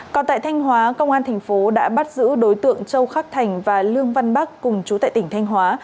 còn tại thanh hóa công an thành phố đã bắt giữ đối tượng châu khắc thành và lương văn bắc cùng chú tại tỉnh thanh hóa